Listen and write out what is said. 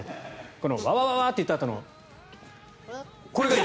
このワワワワと言ったあとのこれがいい。